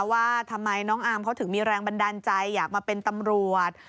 ว่าทำไมน้องอาร์มเขาถึงมีแรงบันดาลใจอยากมาเป็นตำรวจ